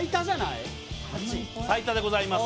最多でございます